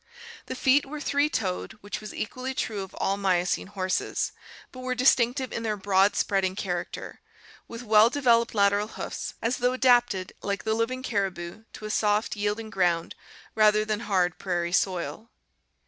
The feet were three toed, which was equally true of all Miocene horses, but were distinctive in their broad spreading character, with well de veloped lateral hoofs as though adapted, like the living caribou, to a soft yielding ground rather than /. hard prairie soil.